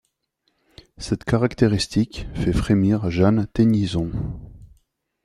Cette caractéristique fait frémir Jane Tennison.